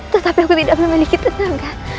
tetapi aku tidak memiliki tetangga